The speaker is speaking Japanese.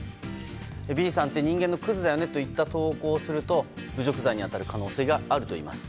Ｂさんって人間のクズだよねといった投稿をすると侮辱罪に当たる可能性があるといいます。